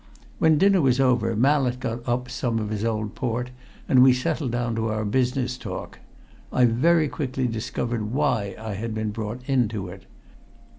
When dinner was over, Mallett got up some of his old port, and we settled down to our business talk. I very quickly discovered why I had been brought into it.